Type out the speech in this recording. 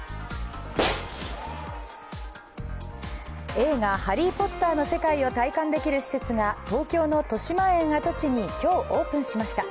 映画「ハリー・ポッター」の世界を体感できる施設が東京のとしまえん跡地に今日、オープンしました。